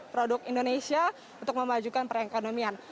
produk indonesia untuk memajukan perekonomian